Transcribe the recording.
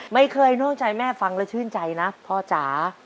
ไม่เคยนอกใจแม่ฟังแล้วชื่นใจนะพ่อจ๋า